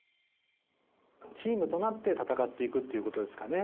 チームとなって戦っていくっていう事ですかね。